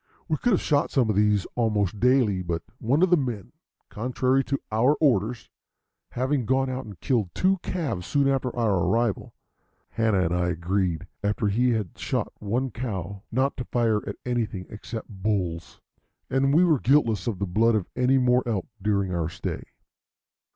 We could have shot some of these almost daily, but one of the men, contrary to our orders, having gone out and killed two calves soon after our arrival, Hanna and I agreed, after he had shot one cow, not to fire at anything except bulls, and we were guiltless of the blood of any more elk during our stay.